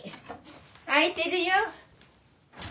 開いてるよ。